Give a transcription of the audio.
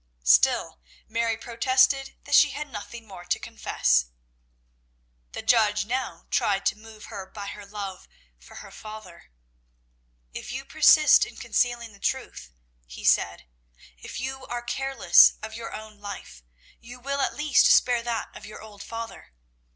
Still Mary protested that she had nothing more to confess. The judge now tried to move her by her love for her father. "If you persist in concealing the truth," he said, "if you are careless of your own life, you will at least spare that of your old father.